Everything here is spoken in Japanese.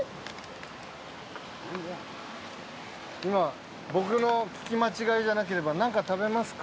今僕の聞き間違いじゃなければ「何か食べますか？」